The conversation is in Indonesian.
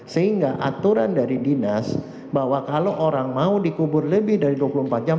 sehingga aturan dari dinas bahwa kalau orang mau dikubur lebih dari dua puluh empat jam